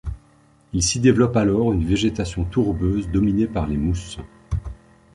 Il s'y développe alors une végétation tourbeuse dominée par les mousses.